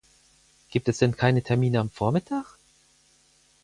Gibt es denn keine Termine am Vormittag?